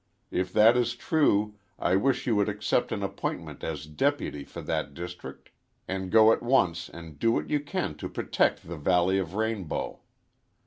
If that is true I wish you would accept an appointment as deputy for that district and go at once and do what you can to protect the valley of Rainbow.